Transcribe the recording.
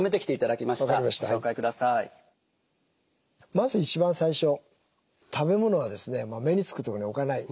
まず一番最初食べ物は目につくところに置かない。